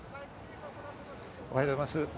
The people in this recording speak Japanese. おはようございます。